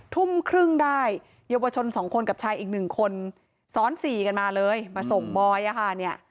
ทุ่มครึ่งได้เยาวชน๒คนกับชายอีกหนึ่งคนซ้อนสี่กันมาเลยมาส่งบอยอ่ะค่ะเนี่ย